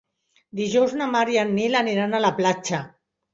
Dijous na Mar i en Nil aniran a la platja.